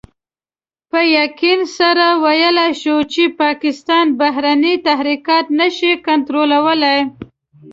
په يقين سره ويلای شو چې پاکستان بهرني تحرکات نشي کنټرولولای.